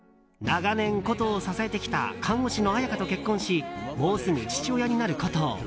長年、コトーを支えてきた看護師の彩佳と結婚しもうすぐ父親になるコトー。